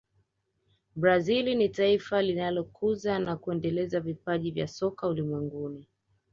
brazil ni taifa linalokuza na kuendeleza vipaji vya soka ulimwenguni